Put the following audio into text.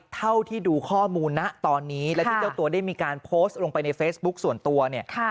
เท่าที่ดูข้อมูลนะตอนนี้และที่เจ้าตัวได้มีการโพสต์ลงไปในเฟซบุ๊คส่วนตัวเนี่ย